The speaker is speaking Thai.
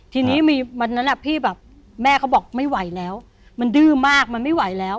ทีนี้มีวันนั้นพี่แบบแม่เขาบอกไม่ไหวแล้วมันดื้อมากมันไม่ไหวแล้ว